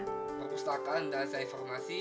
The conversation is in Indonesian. perpustakaan dan saya formasi